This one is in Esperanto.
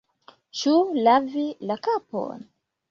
Ĉu lavi la kapon?